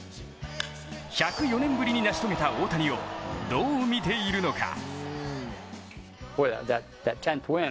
１０４年ぶりに成し遂げた大谷をどう見ているのか。